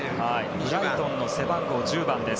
ブライトンの背番号１０番です。